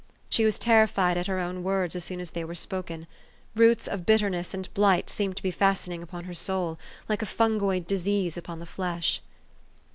She was terrified at her own words as soon as they were spoken. Roots of bitterness and blight seemed to be fastening upon her soul, like a fungoid disease upon the flesh.